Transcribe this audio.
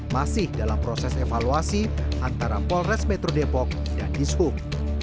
masih dalam proses evaluasi antara polres metro depok dan dishub